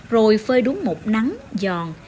rồi phơi đúng một nắng giòn